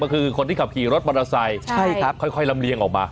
ก็คือคนที่ขับขี่รถมอเตอร์ไซค์ค่อยลำเลียงออกมา